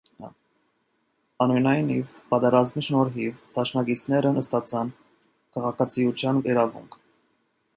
Այնուամենայնիվ, պատերազմի շնորհիվ դաշնակիցներն ստացան քաղաքացիության իրավունք։